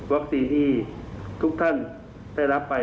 วัคซีนที่ทุกท่านได้รับไป